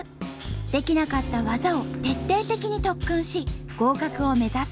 できなかった技を徹底的に特訓し合格を目指す。